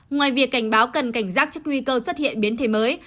ngoài việc cảnh báo cần cảnh giác trước nguy cơ xuất hiện biến thể mới